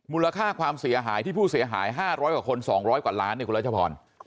มูลค่าความเสียหายที่ผู้เสียหาย๕๐๐กว่าคน๒๐๐กว่าล้านเนี่ยคุณรัชพร